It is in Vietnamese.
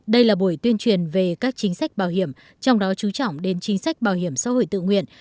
đây là buổi tuyên truyền về các chính sách bảo hiểm trong đó chú trọng đến chính sách bảo hiểm xã hội tự nguyện